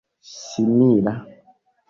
simila